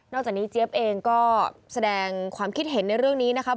จากนี้เจี๊ยบเองก็แสดงความคิดเห็นในเรื่องนี้นะครับ